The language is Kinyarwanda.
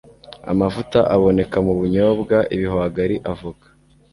amavuta aboneka m'ubunyobwa, ibihwagari, avoka